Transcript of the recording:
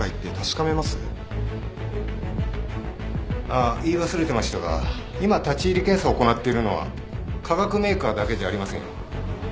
あっ言い忘れてましたが今立入検査を行っているのは化学メーカーだけじゃありませんよ。